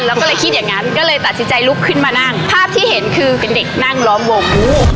แล้วก็เลยคิดอย่างงั้นก็เลยตัดสินใจลุกขึ้นมานั่งภาพที่เห็นคือเป็นเด็กนั่งล้อมวง